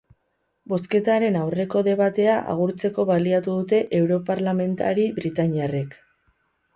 Bozketaren aurreko debatea agurtzeko baliatu dute europarlamentari britainiarrek.